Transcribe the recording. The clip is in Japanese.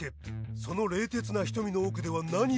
その冷徹な瞳の奥では何を思うのか。